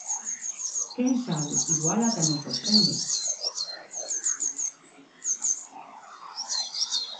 ¡Quen sabe, igual ata nos sorprende!